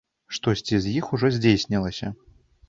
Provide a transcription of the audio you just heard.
Штосьці з іх ужо здзейснілася.